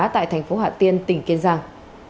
tại thành phố hạ tiên tỉnh kiên giang